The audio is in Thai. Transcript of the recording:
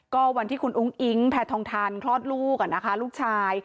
ก็วันที่คุณอุ้งอิ๊งแพทองทานคลอดลูกลูกชาย